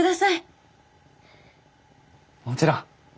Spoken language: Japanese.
もちろん。